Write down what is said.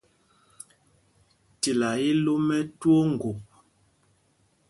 Tilá í í lō mɛ̄ twóó ŋgop.